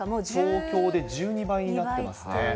東京で１２倍になってますね。